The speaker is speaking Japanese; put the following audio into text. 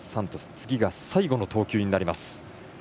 次が最後の投球になります。